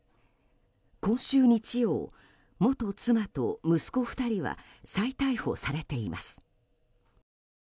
今週日曜、元妻と息子２人は再逮捕されています。